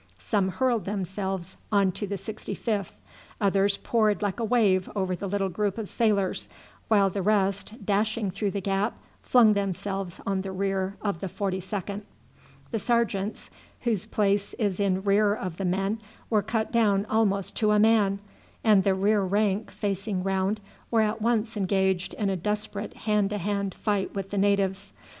Some hurled themselves on to the 65th, others poured like a wave over the little group of sailors, while the rest, dashing through the gap, flung themselves on the rear of the 42d. The sergeants, whose place is in rear of the men, were cut down almost to a man; and the rear rank, facing round, were at once engaged in a desperate hand to hand fight with the natives.